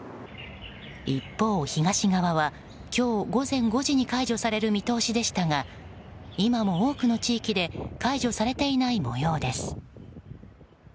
一方、東側は今日午前５時に解除される見通しでしたが今も多くの地域で解除されていない模様です。